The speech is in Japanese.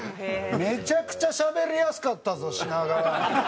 「めちゃくちゃしゃべりやすかったぞ品川」。